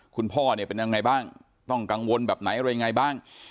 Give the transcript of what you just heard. คุณพ่อเนี่ยเป็นยังไงบ้างต้องกังวลแบบไหนอะไรยังไงบ้าง